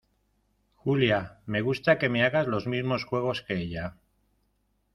Julia, me gusta que me hagas los mismos juegos que ella.